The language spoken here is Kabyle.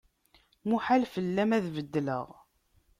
Muḥal fell-am ad beddleɣ.